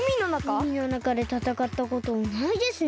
うみのなかでたたかったことないですね。